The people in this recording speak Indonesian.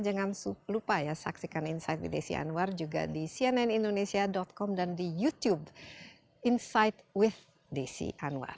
jangan lupa ya saksikan insight with desi anwar juga di cnnindonesia com dan di youtube insight with desi anwar